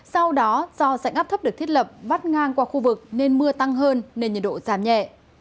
sau đó do dạnh áp thấp được thiết lập vắt ngang qua khu vực nên mưa tăng hơn nên nhiệt độ giảm nhẹ